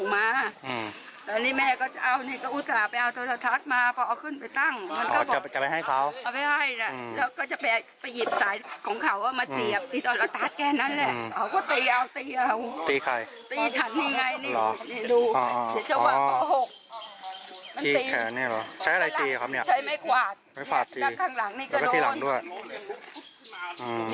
มีไงนี่ดูชะวังต่อ๖มันตีขวาไม่ขวาดแล้วก็ที่หลังด้วยอืม